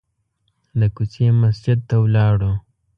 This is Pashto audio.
د کوڅې مسجد ته ولاړو.